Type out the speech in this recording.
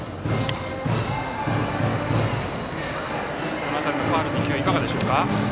この辺りのファウル２球どうでしょうか。